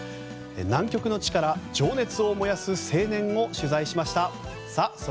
南極の地から情熱を燃やす青年を取材しました。